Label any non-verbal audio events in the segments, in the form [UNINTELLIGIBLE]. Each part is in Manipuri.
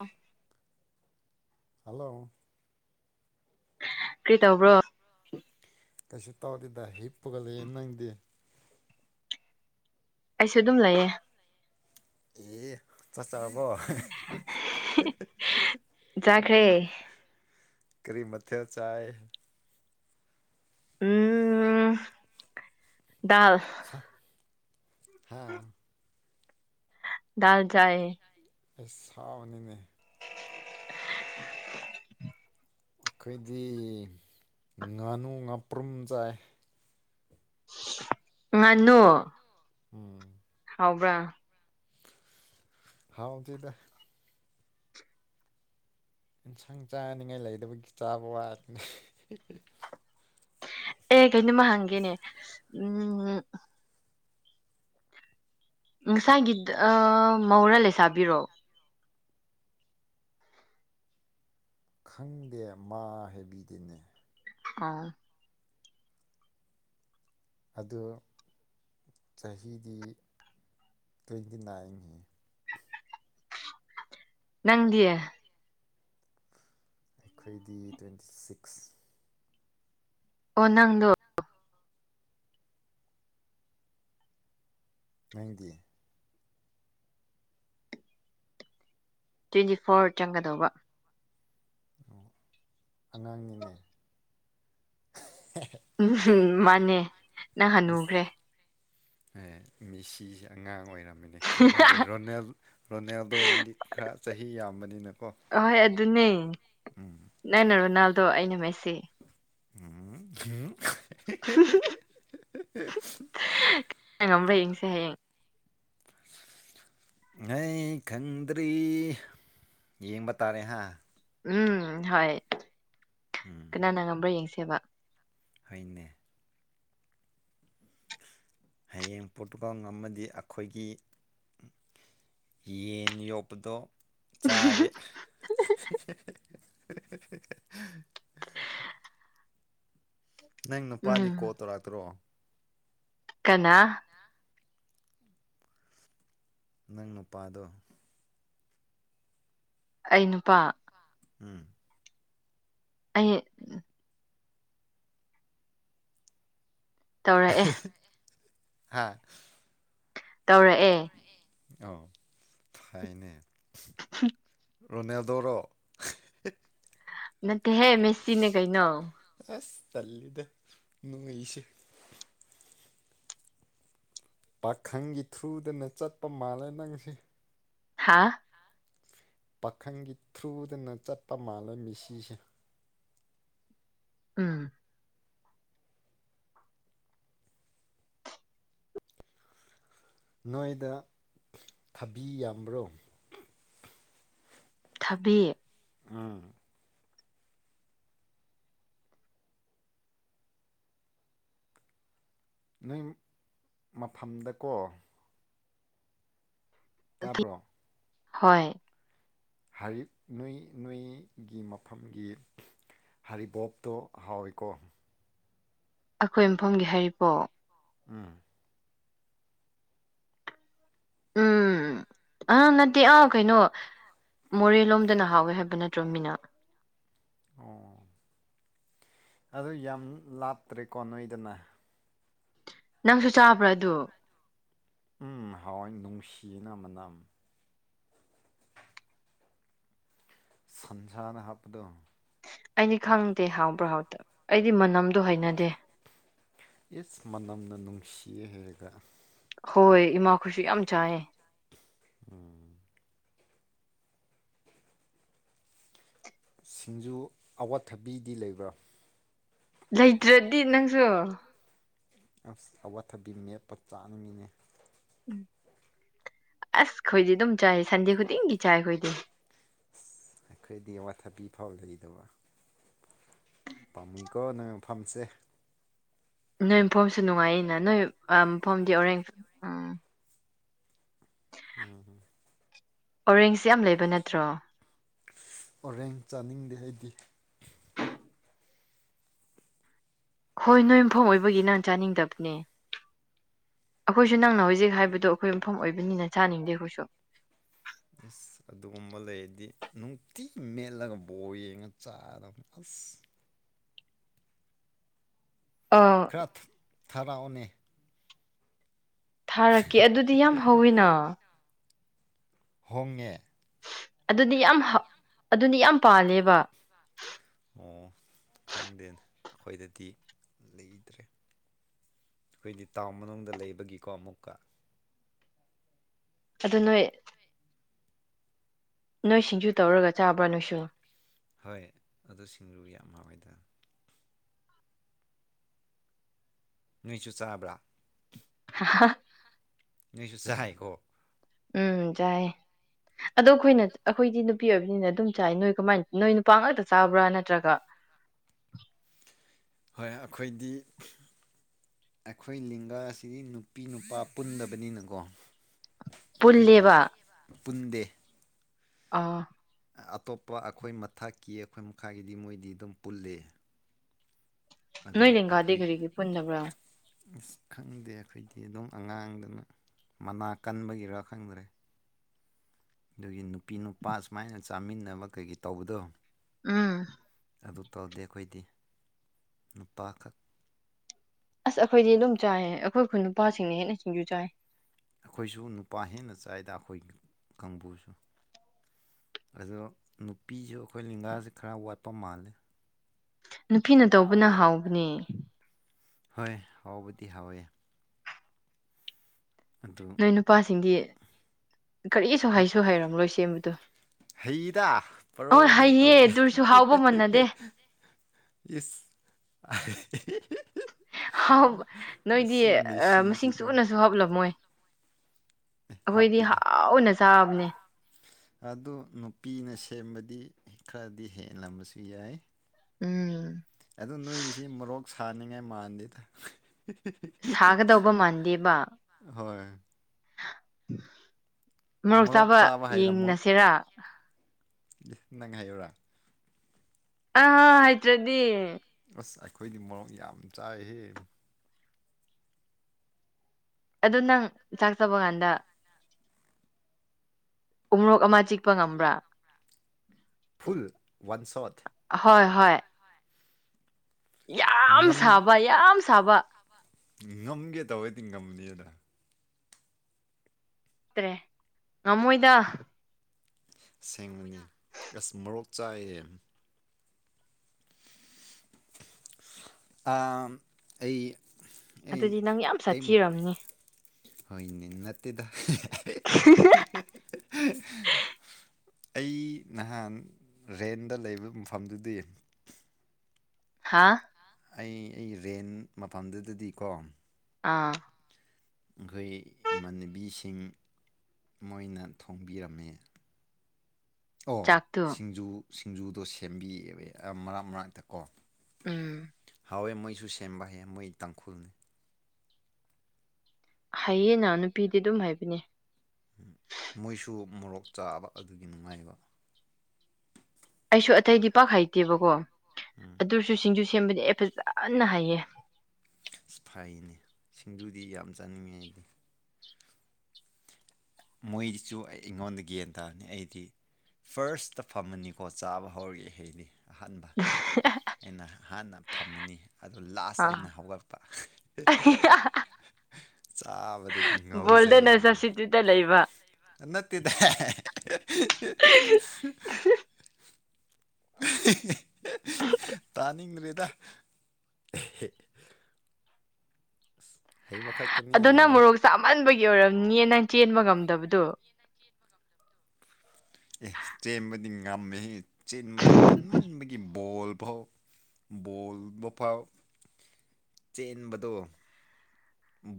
ꯑ ꯍꯜꯂꯣ ꯀꯩ ꯇꯧꯕ꯭ꯔꯣ ꯀꯩꯁꯨ ꯇꯧꯔꯗꯦꯗ ꯍꯤꯞ ꯄꯨꯒꯠꯂꯛꯦ ꯅꯪꯗꯤ ꯑꯩꯁꯨ ꯑꯗꯨꯝ ꯂꯩꯌꯦ ꯑꯦ ꯇꯁ ꯑꯕ [INAUDIBLE] ꯆꯥꯈ꯭ꯔꯦ [INAUDIBLE] ꯀꯔꯤ ꯃꯊꯦ ꯆꯥꯑ ꯎꯝ ꯗꯜ ꯍꯥꯥ ꯗꯗꯥꯜ ꯆꯑ ꯑꯩ ꯁꯥꯕꯅꯤꯅꯦ ꯑꯩꯈꯣꯏꯗꯤ ꯉꯥꯅꯨ ꯉꯥꯄ꯭ꯔꯨꯝ ꯆꯥꯏ ꯉꯅꯨ ꯎꯝ ꯍꯕ꯭ꯔꯥ ꯍꯥꯎꯗꯗ ꯏꯟꯁꯥꯡ ꯆꯥꯅꯤꯡꯉꯥꯏ ꯂꯩꯗꯕꯒꯤ ꯆꯥꯕ ꯋꯥꯗꯅ ꯑꯦ ꯀꯩꯅꯣꯝꯃ ꯍꯪꯒꯦꯅꯦ ꯎꯝ ꯉꯁꯥꯏꯒꯤ ꯃꯧꯔꯥ ꯂꯩꯁꯥꯕꯤꯔꯣ ꯈꯪꯗꯦ ꯃꯥ ꯍꯦꯕꯤꯗꯅꯦ ꯑ ꯑꯗ ꯆꯍꯤꯗꯤ ꯇ꯭ꯋꯦꯟꯇꯤ ꯅꯥꯏꯟꯒꯤ ꯅꯪꯗꯤꯌꯦ ꯑꯩꯈꯣꯏꯗꯤ ꯇ꯭ꯋꯦꯟꯇꯤ ꯁꯤꯛꯁ ꯑꯣ ꯅꯪꯗꯣ ꯅꯪꯗꯤ ꯇ꯭ꯋꯦꯟꯇꯤ ꯐꯣꯔ ꯆꯪꯒꯗꯧꯕ ꯑꯣ ꯑꯉꯥꯡꯅꯤꯅꯦ ꯍ ꯎꯝ ꯃꯥꯅꯦ ꯅꯪ ꯑꯁ ꯍꯥꯟꯅꯨꯈ꯭ꯔꯦ ꯃꯤꯁꯤꯁꯦ ꯑꯉꯥꯡ ꯑꯣꯏꯔꯝꯕꯅꯦ ꯈꯪꯍꯧꯗꯦ ꯔꯣꯅꯦꯜ ꯔꯣꯅꯦꯜꯗꯣ ꯅꯪꯗꯤ ꯈꯔ ꯆꯍꯤ ꯌꯥꯝꯕꯅꯤꯅꯀꯣ ꯑꯍꯣꯏ ꯑꯗꯨꯅꯤ ꯅ ꯅ ꯅ ꯔꯣꯅꯥꯜꯗꯣ ꯑꯩꯅ ꯃꯁꯤ ꯎꯝꯝ ꯉꯝꯕ꯭ꯔꯌꯦꯡꯁꯦ ꯍꯌꯦꯡ ꯅ ꯈꯪꯗ꯭ꯔꯤ ꯌꯦ ꯇꯥꯔꯦ ꯍꯥ ꯎꯝ ꯍꯣꯏ ꯀꯅꯥꯅ ꯉꯝꯕ꯭ꯔꯥ ꯌꯦꯡꯁꯦꯕ ꯍꯅꯦ ꯍꯌꯦꯡ ꯄꯣꯔꯇꯨꯒꯜꯝ ꯑꯃꯗꯤꯗꯤ ꯑꯩꯈꯣꯏꯒꯤ ꯌꯦꯟ ꯌꯣꯛꯄꯗꯣ ꯆꯥꯒꯦ [UNINTELLIGIBLE] ꯅꯪ ꯅꯨꯄꯥꯗꯤ ꯎꯝ ꯀꯣꯜ ꯇꯧꯔꯛꯇ꯭ꯔꯣ ꯀꯅꯥ ꯀꯅꯥ ꯅꯪ ꯅꯨꯄꯥꯗꯣ ꯑꯩ ꯅꯨꯄꯥ ꯎꯝ ꯑꯩ ꯇꯧꯔꯛꯑꯦ [UNINTELLIGIBLE] ꯍꯥ ꯇꯧꯔꯛꯑꯦ ꯑꯣ ꯐꯩꯅꯦ ꯍꯝ ꯔꯣꯅꯦꯜꯗꯣꯔꯣ ꯅꯠꯇꯦ ꯍꯦ ꯃꯦꯁꯤꯅꯦ ꯀꯩꯩꯅꯣ ꯑꯁ ꯇꯂꯤꯗ ꯅꯣꯢꯁꯦ ꯄꯥꯈꯪꯒꯤ ꯊ꯭ꯔꯨꯗꯅ ꯆꯠꯄ ꯃꯥꯜꯂꯦ ꯅꯪꯁꯦ ꯍꯥꯥ ꯄꯥꯈꯪꯒꯤ ꯊ꯭ꯔꯨꯗꯅ ꯆꯠꯄ ꯃꯥꯜꯂꯦ ꯃꯦꯁꯤꯁꯦ ꯎꯝ ꯅꯣꯏꯗ ꯊꯕꯤ ꯌꯥꯝꯕ꯭ꯔꯣ ꯊꯕꯤ ꯑꯥ ꯅꯪ ꯃꯐꯝꯗꯀꯣ ꯇꯥꯕ꯭ꯔꯣ ꯍꯣꯏ ꯍꯥꯏꯔꯤꯞ ꯅꯣꯏ ꯅꯣꯏꯒꯤ ꯃꯐꯝꯒꯤ ꯍꯔꯤꯕꯣꯞꯇꯣ ꯍꯥꯎꯋꯤꯀꯣ ꯑꯈꯣꯏ ꯃꯐꯝꯒꯤ ꯍꯩꯔꯤꯕꯣꯕ ꯎꯝ ꯎꯝ ꯑꯥ ꯅꯠꯇꯦ ꯑꯥ ꯀꯩꯅꯣ ꯃꯣꯔꯦ ꯂꯣꯝꯗꯅ ꯍꯥꯎꯋꯦ ꯍꯥꯏꯕ ꯅꯠꯇ꯭ꯔꯣ ꯃꯤꯅ ꯑꯣ ꯑꯗꯨ ꯌꯥꯝ ꯂꯥꯇ꯭ꯔꯦꯀꯣ ꯅꯣꯏꯗꯅ ꯅꯪꯁꯨ ꯆꯥꯕ꯭ꯔꯥ ꯑꯗꯨ ꯎꯝ ꯍꯋꯥꯏ ꯅꯨꯡꯁꯤꯅ ꯃꯅꯝ ꯁꯟꯁꯥꯗ ꯍꯥꯞꯄꯗꯣ ꯑꯩꯗꯤ ꯈꯪꯗꯦ ꯍꯥꯎꯕ꯭ꯔꯥ ꯍꯥꯎꯇꯕ ꯑꯩꯗꯤ ꯃꯅꯝꯗꯣ ꯍꯩꯅꯗꯦ ꯏꯁ ꯃꯅꯝꯅ ꯅꯨꯡꯁꯤꯌꯦ ꯍꯥꯏꯔꯒ ꯍꯣꯏ ꯏꯃꯥꯈꯣꯢꯁꯨ ꯌꯥꯝ ꯆꯥꯏꯌꯦ ꯎꯝ ꯁꯤꯡꯖꯨ ꯑꯋꯥꯠꯊꯕꯤꯗꯤ ꯂꯩꯕ꯭ꯔꯥ ꯂꯩꯇ꯭ꯔꯗꯤ ꯅꯪꯁꯨ ꯑꯁ ꯑꯋꯥꯊꯕꯤ ꯃꯦꯠꯄ ꯆꯥꯅꯤꯡꯉꯦ ꯑꯁ ꯈꯣꯏꯗꯤ ꯑꯗꯨꯝ ꯆꯥꯏ ꯁꯟꯗꯦ ꯈꯨꯗꯤꯡꯒꯤ ꯆꯥꯏ ꯈꯣꯏꯗꯤ ꯑꯈꯣꯏꯗꯤ ꯑꯋꯥꯊꯕꯤ ꯐꯥꯎ ꯂꯩꯗꯕ ꯄꯥꯝꯃꯤꯀꯣ ꯅꯣꯏ ꯃꯐꯝꯁꯦ ꯅꯣꯏ ꯃꯐꯝꯁꯨ ꯅꯨꯡꯉꯥꯏꯅ ꯅꯣꯏ ꯃꯐꯝꯗꯤ ꯑꯣꯔꯦꯟꯖ ꯎꯝ ꯎꯝ ꯑꯣꯔꯦꯟꯖ ꯌꯥꯝ ꯂꯩꯕ ꯅꯠꯇ꯭ꯔꯣ ꯑꯣꯔꯦꯟ ꯆꯥꯅꯤꯡꯗꯦ ꯑꯩꯗꯤ ꯍꯣꯏ ꯅꯣꯏ ꯃꯐꯝ ꯑꯣꯏꯕꯒꯤ ꯅꯪ ꯆꯥꯅꯤꯡꯗꯕꯅꯦ ꯑꯈꯣꯏꯁꯨ ꯅꯪꯅ ꯍꯧꯖꯤꯛ ꯍꯥꯏꯕꯗꯣ ꯑꯈꯣꯏ ꯃꯐꯝ ꯑꯣꯏꯕꯅꯤꯅ ꯆꯥꯅꯤꯡꯗꯦ ꯑꯈꯣꯏꯁꯨ ꯑꯁ ꯑꯗꯨꯒꯨꯝꯕ ꯂꯩꯔꯗꯤ ꯅꯨꯡꯇꯤ ꯃꯦꯠꯂꯒ ꯕꯣꯜ ꯌꯦꯡꯉ ꯆꯥꯔꯗꯝ ꯑꯁ ꯑꯥ ꯊꯔꯥ ꯑꯣꯅꯦ ꯊꯥꯔꯛꯀꯦ ꯑꯗꯨꯗꯤ ꯌꯥꯝ ꯍꯧꯋꯤꯅ ꯍꯣꯡꯉꯦ ꯑꯗꯨꯗꯤ ꯌꯥꯝ ꯑꯗꯨꯗꯤ ꯌꯥꯝ ꯄꯥꯜꯂꯦꯕ ꯑꯣ ꯈꯪꯗꯦꯅꯦ ꯑꯩꯈꯣꯏꯗꯗꯤ ꯂꯩꯇꯗ꯭ꯔꯦ ꯑꯩꯈꯣꯏꯗꯤ ꯇꯥꯎꯟ ꯃꯅꯨꯡꯗ ꯂꯩꯕꯒꯤꯀꯣ ꯑꯃꯨꯛꯀ ꯑꯗꯨ ꯅꯣꯏ ꯅꯣꯏ ꯁꯤꯡꯖꯨ ꯇꯧꯔꯒ ꯆꯥꯕ꯭ꯔꯥ ꯅꯣꯏꯁꯨ ꯍꯣꯏ ꯑꯗꯨ ꯁꯤꯡꯔꯨ ꯌꯥꯝ ꯃꯥꯦꯗ ꯅꯣꯏꯁꯨ ꯆꯥꯕ꯭ꯔꯥ ꯍꯥ ꯅꯁꯨ ꯆꯥꯏꯀꯣ ꯎꯝ ꯆꯥꯏ ꯑꯗꯣ ꯑꯩꯈꯣꯏꯅ ꯑꯩꯈꯣꯏꯗꯤ ꯅꯨ ꯅꯨꯄꯤ ꯑꯣꯏꯕꯅꯤꯅ ꯑꯗꯨꯝ ꯆꯥꯏ ꯅꯣꯏ ꯀꯃꯥꯏ ꯅꯣꯏ ꯅꯨꯄꯥ ꯉꯥꯛꯇ ꯆꯥꯕ꯭ꯔꯥ ꯅꯠꯇ꯭ꯔꯒ ꯍꯣꯏ ꯑꯩꯈꯣꯏꯗꯤ ꯑꯩꯈꯣꯏ ꯂꯤꯡꯒꯥ ꯑꯁꯤꯗꯤ ꯅꯨꯄꯤ ꯅꯨꯄꯥ ꯄꯨꯟꯗꯕꯅꯤꯅꯀꯣ ꯑꯩꯈꯣꯏꯗꯤ ꯄꯨꯜꯂꯦꯕ ꯄꯨꯟꯗꯦ ꯑꯥ ꯑꯇꯣꯞꯄ ꯑꯩꯈꯣꯏ ꯃꯊꯛꯀꯤ ꯑꯩꯈꯣꯏ ꯃꯈꯥꯒꯤꯗꯤ ꯃꯣꯏꯗꯤ ꯑꯗꯨꯝ ꯄꯨꯜꯂꯤ ꯑꯗꯣ ꯅꯣꯏ ꯂꯦꯡꯒꯥꯗꯤ ꯑꯩꯈꯣꯏ ꯀꯔꯤꯒꯤ ꯄꯨꯟꯗꯕ꯭ꯔꯥ ꯑꯁ ꯈꯪꯗꯦ ꯑꯩꯈꯣꯏꯗꯤ ꯑꯗꯨꯝ ꯑꯉꯥꯡꯗꯅ ꯃꯅꯥ ꯀꯟꯕꯒꯤꯔꯥ ꯈꯪꯗ꯭ꯔꯦ ꯑꯗꯨꯒꯤ ꯅꯨꯄꯤ ꯅꯨꯄꯥ ꯁꯨꯃꯥꯏꯅ ꯆꯥꯃꯤꯟꯅꯕ ꯀꯩꯒꯤꯩ ꯇꯧꯕꯗꯣ ꯎꯝ ꯑꯗꯨ ꯇꯧꯗꯦ ꯑꯩꯈꯣꯏꯗꯤ ꯅꯨꯄꯥꯈꯛ ꯑꯁ ꯑꯩꯈꯣꯏꯗꯤ ꯑꯗꯨꯝ ꯆꯥꯏ ꯑꯩꯈꯣꯏ ꯈꯨꯟ ꯅꯨꯄꯥꯁꯤꯡꯅ ꯍꯦꯟꯅ ꯁꯤꯡꯖꯨ ꯆꯥꯏ ꯑꯩꯈꯣꯏꯁꯨ ꯅꯨꯄꯥ ꯍꯦꯟꯅ ꯆꯥꯏꯗ ꯑꯩꯈꯣꯏ ꯀꯥꯡꯕꯨꯁꯨ ꯑꯗꯣ ꯅꯨꯄꯤꯁꯨ ꯑꯩꯈꯣꯏ ꯂꯤꯡꯒꯥꯁꯤꯦ ꯈꯔ ꯋꯥꯠꯄ ꯃꯥꯂꯦ ꯅꯨꯄꯤꯅ ꯇꯧꯕꯅ ꯍꯥꯎꯕꯅꯦ ꯍꯣꯏ ꯍꯥꯎꯕꯗꯤ ꯍꯥꯎꯋꯦ ꯑꯗꯨ ꯅꯣꯏ ꯅꯨꯄꯥꯁꯤꯡꯗꯤ ꯀꯔꯤꯁꯨ ꯍꯥꯏꯁꯨ ꯍꯥꯏꯩꯔꯝꯂꯣꯏ ꯁꯦꯝꯕꯗꯣ ꯍꯩꯗ ꯍꯣꯏ ꯄꯔꯛꯑꯅꯤ ꯍꯩꯌꯦ ꯇꯧꯏ ꯑꯗꯨꯔꯁꯨ ꯍꯥꯎꯕ ꯃꯥꯟꯅꯗꯦ ꯏꯁꯁ ꯍꯥꯎ ꯑꯁꯤ ꯃꯦꯁꯤꯁꯤꯀꯣ ꯁ ꯍꯥꯞꯂꯝꯃꯣꯏ ꯑꯩꯈꯣꯏꯗꯤ ꯍꯥꯞꯄꯤꯗ ꯍꯥꯎꯅ ꯆꯥꯕꯅꯦ ꯑꯗꯨ ꯅꯨꯄꯤꯅ ꯁꯦꯝꯕꯗꯤ ꯈꯔꯗꯤ ꯍꯦꯜꯂꯝꯕꯁꯨ ꯌꯥꯏ ꯎꯝ ꯑꯗꯨ ꯅꯣꯏꯒꯤꯁꯤ ꯃꯣꯔꯣꯛ ꯁꯥꯅꯤꯡꯉꯥꯏ ꯃꯥꯟꯗꯦꯗ ꯁꯥꯒꯗꯧꯕ ꯍꯣꯏ ꯃꯔꯣꯛ ꯃꯣꯔꯣꯛ ꯆꯥꯕ ꯍꯩꯔꯝꯃꯣꯏ ꯌꯦꯡꯅꯁꯤꯦꯔꯥ ꯅꯪ ꯍꯥꯏꯌꯨꯔꯥ ꯑꯥꯥ ꯍꯇ꯭ꯔꯗꯤ ꯑꯁ ꯑꯩꯈꯣꯏꯗꯤ ꯃꯣꯡ ꯌꯥꯝ ꯆꯥꯏꯍꯦ ꯑꯗꯨꯗ ꯅꯪ ꯆꯥꯛ ꯆꯕ ꯀꯥꯟꯗ ꯎꯔꯣꯛ ꯑꯃ ꯆꯤꯛꯄ ꯉꯝꯕ꯭ꯔꯥ ꯐꯨꯜ ꯋꯥꯟꯁꯣꯠ ꯍꯣꯏ ꯍꯣꯏ ꯌꯥꯝ ꯉꯝ ꯁꯥꯕ ꯌꯥꯝ ꯁꯥꯕ ꯉꯝꯒꯦ ꯇꯧꯗꯤ ꯉꯝꯃꯅꯤꯗ ꯆꯠꯇ꯭ꯔꯦ ꯉꯝꯃꯣꯏꯗ ꯁꯦꯡꯕꯅꯤ ꯑꯁ ꯃꯣꯔꯣꯛ ꯆꯥꯏꯌꯦ ꯑꯩ ꯑꯗꯨꯗꯤ ꯅꯪ ꯌꯥꯝ ꯁꯥꯊꯤꯔꯝꯅꯤ ꯍꯣꯏꯅꯦ ꯅꯠꯇꯦꯗ ꯑꯩ ꯅꯍꯥꯟ ꯔꯦꯟꯗ ꯂꯩꯕ ꯃꯐꯝꯗꯨꯗꯤ ꯍꯥꯥ ꯑꯩ ꯑꯩ ꯔꯦꯟ ꯃꯐꯝꯗꯨꯗꯗꯤꯀꯣ ꯑꯥ ꯈꯣꯏꯒꯤ ꯏꯃꯥꯟꯅꯕꯤꯁꯤꯡ ꯃꯣꯏꯅ ꯊꯣꯡꯕꯤꯔꯝꯃꯦ ꯑꯣ ꯆꯥꯛꯇꯨ ꯁꯤꯡꯖꯨ ꯁꯤꯡꯖꯨꯗꯣ ꯁꯦꯝꯕꯤꯌꯦꯕ ꯃꯔꯛ ꯃꯔꯛꯇ ꯀꯣ ꯎꯝ ꯍꯥꯎꯋꯦ ꯃꯣꯏꯁꯨ ꯁꯦꯝꯕ ꯍꯩꯌꯦ ꯃꯣꯏꯁꯨ ꯇꯥꯡꯈꯨꯜꯅꯤ ꯍꯩꯌꯦꯅ ꯅꯨꯄꯤꯗꯤ ꯑꯗꯨꯝ ꯍꯩꯕꯅꯦ ꯎꯝ ꯃꯣꯏꯁꯨ ꯃꯣꯔꯣꯛ ꯆꯥꯕ ꯑꯗꯨꯒꯤ ꯅꯨꯡꯉꯥꯏꯕ ꯑꯩꯁꯨ ꯑꯇꯩꯗꯤ ꯄꯥꯛ ꯍꯩꯇꯦꯕꯀꯣ ꯎꯝ ꯑꯗꯨꯁꯨ ꯁꯤꯡꯖꯨ ꯁꯦꯝꯕꯗꯤ ꯑꯩ ꯐꯖꯅ ꯍꯩꯌꯦ ꯑꯁ ꯐꯩꯅꯦ ꯁꯤꯡꯖꯨꯗꯤ ꯌꯥꯝ ꯆꯥꯅꯤꯡꯉꯤ ꯑꯩꯗꯤ ꯃꯣꯏꯁꯨ ꯑꯩ ꯑꯩꯉꯣꯟꯗ ꯒ꯭ꯌꯥꯟ ꯇꯥꯔꯅꯤ ꯑꯩꯗꯤ ꯐꯥꯔꯁꯇ ꯐꯝꯃꯅꯤꯀꯣ ꯆꯥꯕ ꯍꯧꯔꯒꯦ ꯍꯥꯏꯗꯤ ꯑꯍꯥꯟꯕ ꯑꯩꯅ ꯍꯥꯟꯅ ꯐꯝꯃꯅꯤ ꯑꯗꯣ ꯂꯥꯁꯇ ꯑꯥ ꯑꯩꯅ ꯍꯧꯒꯠꯄ ꯍꯥ ꯍꯥ ꯆꯥꯕꯗꯗꯤ ꯉꯥꯎꯖꯩ ꯑꯗꯨꯗ ꯂꯩꯕ ꯅꯠꯇꯦꯗ ꯑꯥ ꯍꯦ ꯍꯦ ꯇꯥꯅꯤꯡꯗꯔ꯭ꯦꯗꯥ ꯍꯩꯕꯥꯈꯛ ꯑꯗꯣ ꯅꯪ ꯃꯣꯔꯣꯛ ꯆꯥꯃꯟꯕꯒꯤ ꯑꯣꯏꯔꯝꯅꯤꯌꯦ ꯅꯪ ꯆꯦꯟꯕ ꯉꯝꯗꯕꯗꯣ ꯑꯦ ꯆꯦꯟꯕꯗꯤ ꯉꯝꯃꯦꯍꯦ ꯆꯦꯟꯕꯗꯣ ꯀꯟꯃꯟꯕꯒꯤ ꯕꯣꯜ ꯐꯥꯎ ꯕꯣꯜ ꯕꯥ ꯐꯥꯎ ꯆꯦꯟꯕꯗꯣ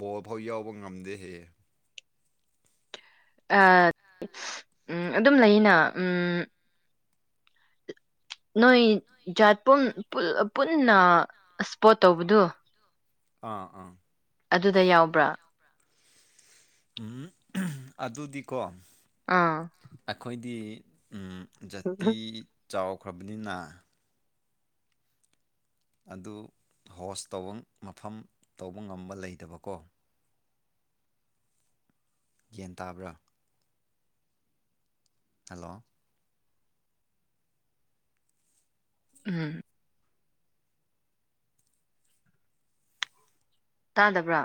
ꯕꯣꯜ ꯐꯥꯎ ꯌꯥꯎꯕ ꯉꯝꯗꯦꯍꯦ ꯑꯥ ꯎꯝ ꯑꯗꯨꯝ ꯂꯩꯅ ꯎꯝ ꯅꯣꯏ ꯖꯥꯠ ꯄꯨꯟ ꯄꯨꯟꯅ ꯏꯁꯄꯣꯠ ꯇꯧꯕꯗꯣ ꯑꯥ ꯑꯥ ꯑꯗꯨꯗ ꯌꯥꯎꯕ꯭ꯔꯥ ꯎꯝ ꯑꯗꯨꯗꯤꯀꯣ ꯑꯥ ꯑꯩꯈꯣꯏꯗꯤ ꯎꯝ ꯖꯥꯇꯤ ꯆꯥꯎꯈ꯭ꯔꯕꯅꯤꯅ ꯑꯗꯨ ꯍꯣꯁ ꯇꯧꯕ ꯃꯐꯝ ꯇꯧꯕ ꯉꯝꯕ ꯂꯩꯇꯕꯀꯣ ꯒ꯭ꯌꯥꯟ ꯇꯥꯕ꯭ꯔꯥ ꯍꯜꯂꯣ ꯎꯝ ꯇꯥꯗꯕ꯭ꯔꯥ